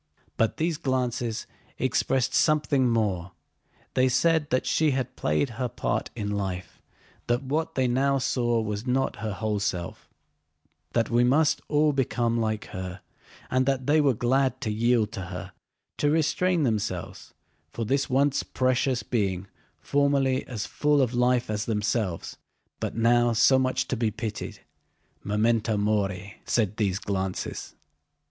But those glances expressed something more: they said that she had played her part in life, that what they now saw was not her whole self, that we must all become like her, and that they were glad to yield to her, to restrain themselves for this once precious being formerly as full of life as themselves, but now so much to be pitied. "Memento mori," said these glances.